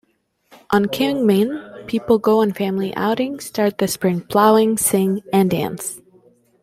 On Qingming, people go on family outings, start the spring plowing, sing, and dance.